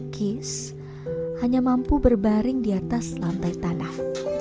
kis hanya mampu berbaring di atas lantai tanah